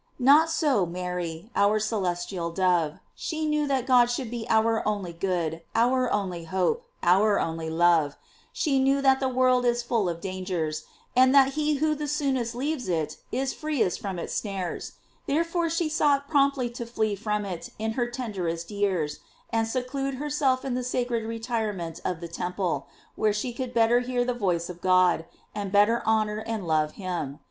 Not so Mary, our celestial dove; she knew that God should be our only good, our only hope, our only love; sh^ knew that the world is full of dangers, and that he who the soonest leaves it, is freest from its snares; therefore she sought promptly to flee from it in her tenderest years, and seclude herself in the sacred retirement of the temple, where she could better hear the voice of God, and bet ter honor and love him.